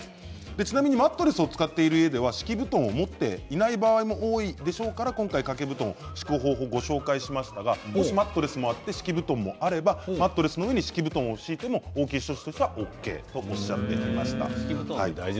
ちなみにマットレスを使っている家では敷き布団を持っていない場合も多いでしょうから今回、掛け布団を敷く方法をご紹介しましたがもしマットレスもあって敷布団もあればマットレスの上に敷き布団を敷いても応急処置としてはＯＫということでした。